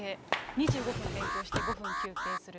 ２５分勉強して５分休憩する。